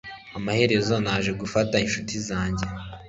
Amaherezo, naje gufata inshuti zanjye.